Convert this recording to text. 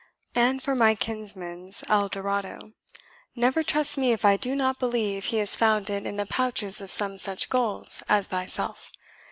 And for my kinsman's Eldorado, never trust me if I do not believe he has found it in the pouches of some such gulls as thyself.